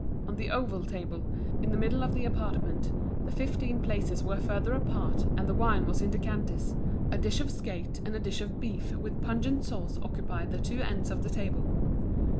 On the oval table, in the middle of the apartment, the fifteen places were further apart and the wine was in decanters, a dish of skate and a dish of beef with pungent sauce occupied the two ends of the table.